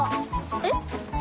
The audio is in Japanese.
えっ？